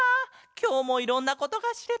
きょうもいろんなことがしれた。